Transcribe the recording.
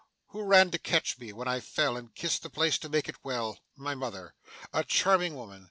'Who ran to catch me when I fell, and kissed the place to make it well? My mother. A charming woman.